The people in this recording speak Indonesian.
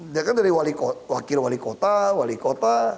ya kan dari wakil wali kota wali kota